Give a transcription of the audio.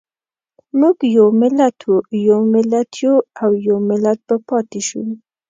موږ یو ملت وو، یو ملت یو او يو ملت به پاتې شو.